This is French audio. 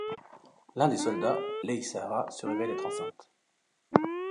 L'un des soldats, Lei Sahara, se révèle être enceinte.